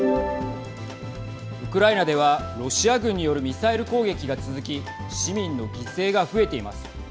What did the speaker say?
ウクライナではロシア軍によるミサイル攻撃が続き市民の犠牲が増えています。